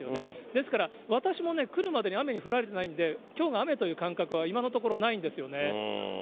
ですから私もね、来るまでに雨に降られてないんで、きょうが雨という感覚は、今のところないんですよね。